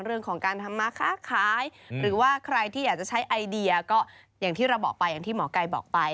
เรื่องของการทำมาค้าขายหรือว่าใครที่อยากจะใช้ไอเดียก็อย่างที่เราบอกไปอย่างที่หมอไก่บอกไป